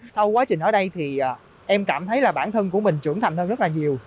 sau quá trình ở đây thì em cảm thấy là bản thân của mình trưởng thành hơn rất là nhiều